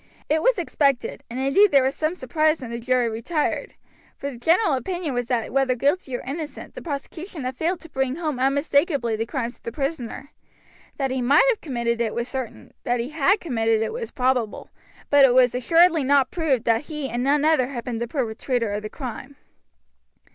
It was expected, and indeed there was some surprise when the jury retired, for the general opinion was that whether guilty or innocent the prosecution had failed to bring home unmistakably the crime to the prisoner. That he might have committed it was certain, that he had committed it was probable, but it was assuredly not proved that he and none other had been the perpetrator of the crime.